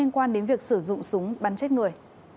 quan đến việc sử dụng súng bắn chết người